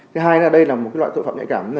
cái hai nữa là đây là một loại tội phạm nhạy cả